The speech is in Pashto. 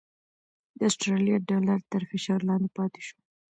د اسټرالیا ډالر تر فشار لاندې پاتې شو؛